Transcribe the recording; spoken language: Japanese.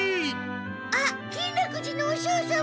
あっ金楽寺の和尚様！